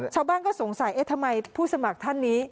ชาวบ้านก็สงสัยเอ๊ะทำไมผู้สมัครท่านนี้